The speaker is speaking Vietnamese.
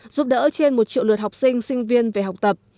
giúp đỡ trên một triệu lượt học sinh sinh viên về học tập